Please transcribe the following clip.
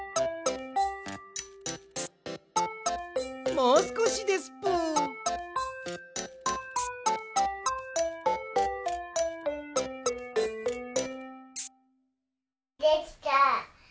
もうすこしですぷ。できた！